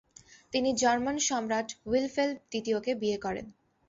তিনি জার্মান সম্রাট উইলফেল দ্বিতীয়কে বিয়ে করেন।